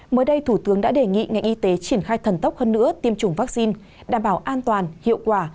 mới đây thủ tướng đã đề nghị ngành y tế triển khai thần tốc hơn nữa tiêm chủng vaccine đảm bảo an toàn hiệu quả